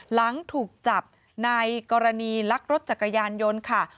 หลังถูกจับในกรณีลักรถจักรยานยนต์ค่ะ